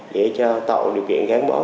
để cho tạo điều kiện gắn bó